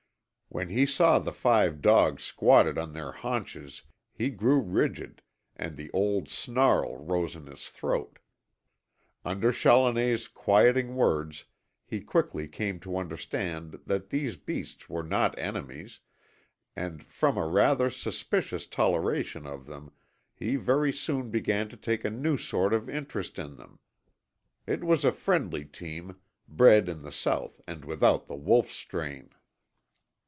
When he saw the five dogs squatted on their haunches he grew rigid and the old snarl rose in his throat. Under Challoner's quieting words he quickly came to understand that these beasts were not enemies, and from a rather suspicious toleration of them he very soon began to take a new sort of interest in them. It was a friendly team, bred in the south and without the wolf strain.